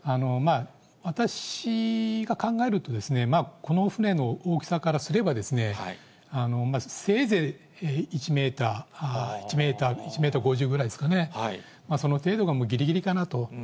私が考えると、この船の大きさからすれば、せいぜい１メートル、１メートル５０ぐらいですかね、その程度がぎりぎりかなと。